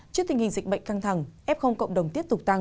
trước tình hình dịch bệnh căng thẳng f cộng đồng tiếp tục tăng